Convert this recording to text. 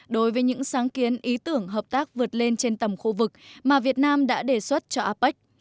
đối với những sáng kiến ý tưởng hợp tác vượt lên trên tầm khu vực mà việt nam đã đề xuất cho apec